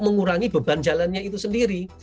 mengurangi beban jalannya itu sendiri